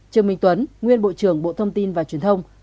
trương minh tuấn nguyên bộ trưởng bộ thông tin và truyền thông